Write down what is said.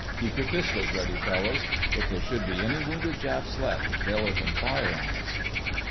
Keep your pistols ready, fellows. If there should be any wounded Japs left, they'll open fire on us."